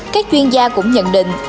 các chuyên gia cũng nhận định